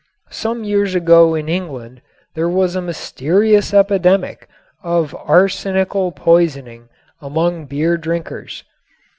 Some years ago in England there was a mysterious epidemic of arsenical poisoning among beer drinkers.